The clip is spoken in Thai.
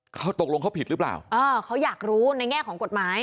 เขาตกลงเขาผิดหรือเปล่าเออเขาอยากรู้ในแง่ของกฎหมาย